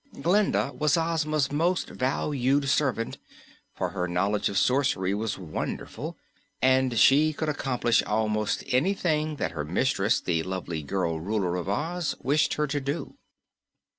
Glinda was Ozma's most valued servant, for her knowledge of sorcery was wonderful, and she could accomplish almost anything that her mistress, the lovely girl Ruler of Oz, wished her to.